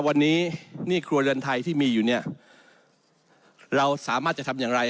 วันนี้หนี้ครัวเรือนไทยที่มีอยู่เนี่ยเราสามารถจะทำอย่างไร